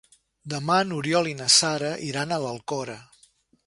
Demà n'Oriol i na Sara iran a l'Alcora.